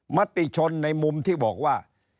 มติชนในมุมที่บอกว่า